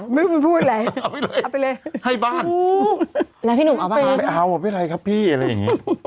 ไม่รู้ว่าพี่พูดอะไรเอาไปเลยให้บ้าน